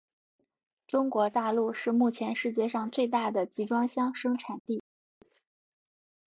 中国大陆是目前世界上最大的集装箱生产地。